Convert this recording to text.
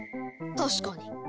確かに。